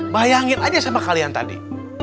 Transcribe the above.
bayangin aja sama kalian tadi